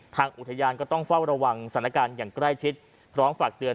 ทางอุทยานก็ต้องเฝ้าระวังสถานการณ์อย่างใกล้ชิดพร้อมฝากเตือน